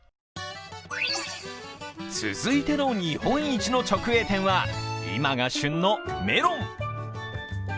続いての日本一の直営店は、今が旬のメロン。